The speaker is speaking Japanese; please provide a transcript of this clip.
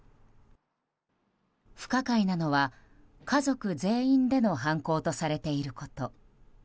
不可解なのは、家族全員での犯行とされていること。